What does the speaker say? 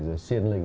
rồi xiên lình